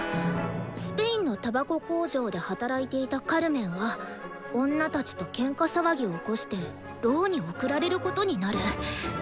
「スペインのタバコ工場で働いていたカルメンは女たちとケンカ騒ぎを起こして牢に送られることになる」。